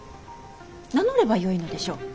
名乗ればよいのでしょう。